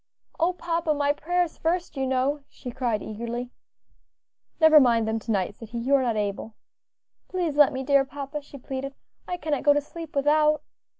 "Oh papa! my prayers first, you know," she cried eagerly. "Never mind them to night," said he, "you are not able." "Please let me, dear papa," she pleaded; "I cannot go to sleep without."